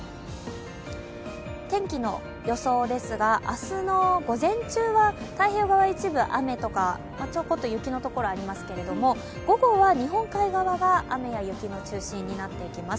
天気の予想ですが、明日の午前中は太平洋側一部雨とか、ちょこっと雪のところがありますけれども午後は日本海側が雨や雪の中心になっていきます。